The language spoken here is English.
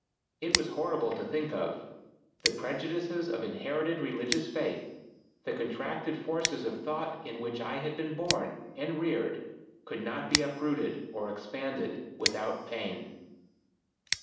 It was horrible to think of. The prejudices of inherited religious faith, the contracted forces of thought in which I had been born and reared could not be uprooted or expanded without pain.